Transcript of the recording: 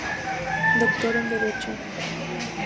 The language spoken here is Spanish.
Doctor en derecho.